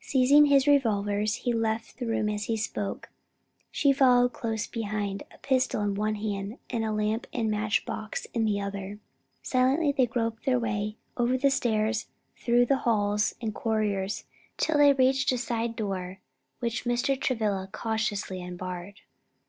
Seizing his revolvers, he left the room as he spoke, she following close behind, a pistol in one hand, a lamp and match box in the other. Silently they groped their way over the stairs, through the halls and corridors, till they reached a side door, which Mr. Travilla cautiously unbarred.